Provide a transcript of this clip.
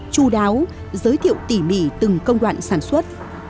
chu đáo giới thiệu tỉ mỉ từng công đoạn sản xuất